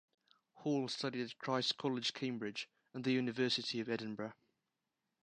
Hall studied at Christ's College, Cambridge, and the University of Edinburgh.